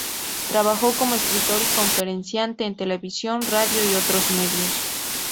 Trabajó como escritor y conferenciante en televisión, radio y otros medios.